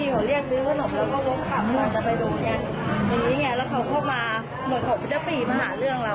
เหมือนกับผู้ชายภาพที่จะปีนมาหาเรื่องเรา